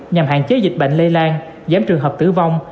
nhằm hạn chế dịch bệnh lây lan giảm trường hợp tử vong